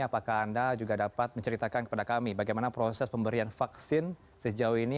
apakah anda juga dapat menceritakan kepada kami bagaimana proses pemberian vaksin sejauh ini